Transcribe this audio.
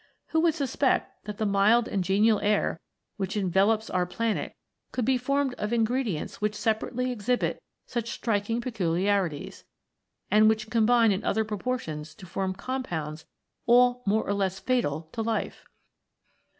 Who would suspect that the mild and genial air which envelopes 40 THE FOUR ELEMENTS. our planet could be formed of ingredients which separately exhibit such striking peculiarities, and which combine in other proportions to form com pounds all more or less fatal to life?